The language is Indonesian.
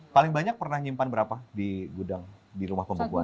paling banyak pernah nyimpan berapa di gudang di rumah pembekuan